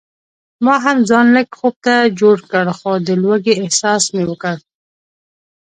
ما هم ځان لږ خوب ته جوړ کړ خو د لوږې احساس مې وکړ.